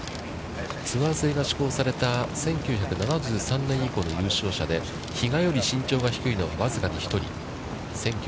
ツアー制が施行された１９７３年以降の優勝者で比嘉より身長が低いのは、僅か１人。